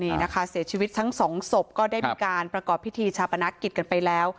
นี่นะคะเสียชีวิตทั้งสองศพก็ได้มีการประกอบพิธีชาปนกิจกันไปแล้ว